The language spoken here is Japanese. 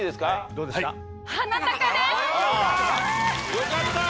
よかったー！